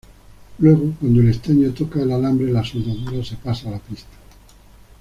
Luego, cuando el estaño toca el alambre, la soldadura se pasa a la pista.